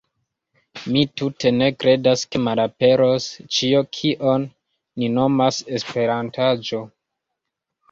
Mi tute ne kredas ke malaperos ĉio, kion ni nomas “Esperantaĵo”.